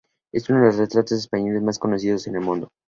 Es uno de los retratos españoles más conocidos en el mundo.